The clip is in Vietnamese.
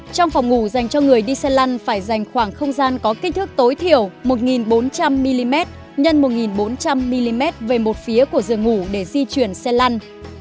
hai trong phòng ngủ dành cho người đi xe lăn phải dành khoảng không gian có kích thước tối thiểu một bốn trăm linh mm x một bốn trăm linh mm về một phía của giường ngủ để di chuyển xe lăn